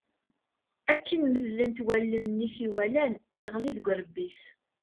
Akken medlent wallen-nni i t-iwalan, yeɣli deg urebbi-s.